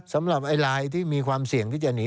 สำหรับไอ้ลายที่มีความเสี่ยงที่จะหนี